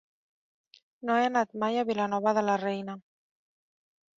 No he anat mai a Vilanova de la Reina.